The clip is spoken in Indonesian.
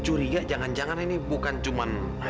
curiga jangan jangan ini bukan cuma